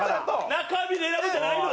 中身で選ぶんじゃないの？